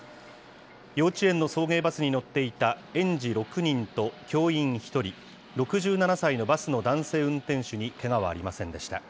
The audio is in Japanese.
幼稚園の送迎バスに乗っていた園児６人と教員１人、６７歳のバスの男性運転手にけがはありませんでした。